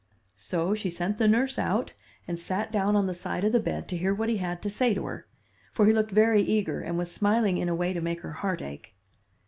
"So she sent the nurse out and sat down on the side of the bed to hear what he had to say to her, for he looked very eager and was smiling in a way to make her heart ache.